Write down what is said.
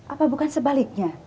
apa bukan sebaliknya